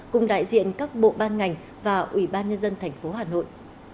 cùng đại diện các bộ ban ngành và ủy ban nhân dân thành phố hà nội